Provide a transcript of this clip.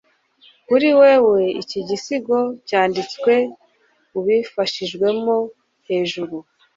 kuri wewe iki gisigo cyanditswe, ubifashijwemo hejuru